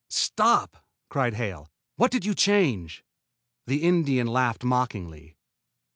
"Stop!" cried Hale. "What did you change?" The Indian laughed mockingly.